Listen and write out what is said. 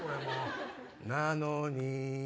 なのに